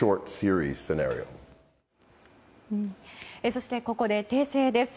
そして、ここで訂正です。